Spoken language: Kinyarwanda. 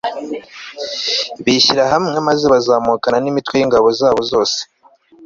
bishyira hamwe maze bazamukana n'imitwe y'ingabo zabo yose